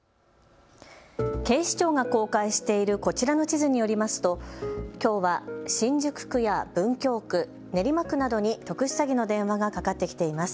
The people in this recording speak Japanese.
警視庁が公開しているこちらの地図によりますときょうは新宿区や文京区、練馬区などに特殊詐欺の電話がかかってきています。